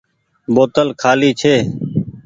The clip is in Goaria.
بوتل کآلي ڇي۔